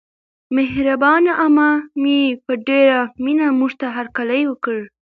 مهربانه عمه مې په ډېره مینه موږته هرکلی وکړ.